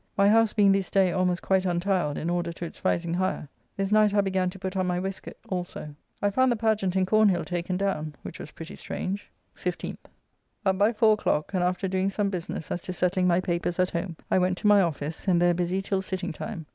My house being this day almost quite untiled in order to its rising higher. This night I began to put on my waistcoat also. I found the pageant in Cornhill taken down, which was pretty strange. 15th. Up by 4 o'clock, and after doing some business as to settling my papers at home, I went to my office, and there busy till sitting time.